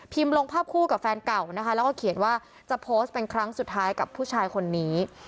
ลงภาพคู่กับแฟนเก่านะคะแล้วก็เขียนว่าจะโพสต์เป็นครั้งสุดท้ายกับผู้ชายคนนี้